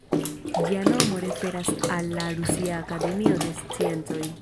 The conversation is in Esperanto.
Ĝia nomo referas al la Rusia Akademio de Sciencoj.